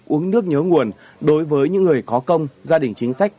uống nước nhớ nguồn đối với những người có công gia đình chính sách